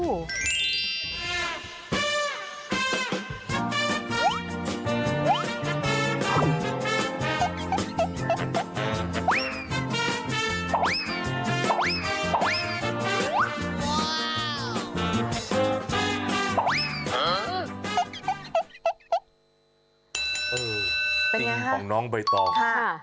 เป็นอย่างไรครับค่ะนี่จริงของน้องบยตอบค่ะ